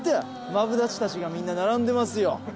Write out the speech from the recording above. マブダチたちがみんな並んでますよ。